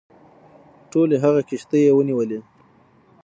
ټولي هغه کښتۍ ونیولې.